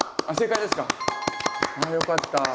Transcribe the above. あっよかった。